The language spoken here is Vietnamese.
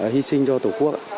hy sinh cho tổ quốc